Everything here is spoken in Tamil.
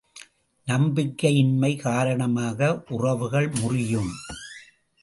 நம்பிக்கையின்மை காரணமாக உறவுகள் முறியும்.